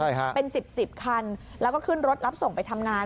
ใช่ฮะเป็นสิบสิบคันแล้วก็ขึ้นรถรับส่งไปทำงาน